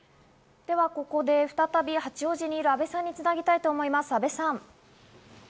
ではここで再び、八王子にいる阿部さんにつなぎたいと思います、阿部さん！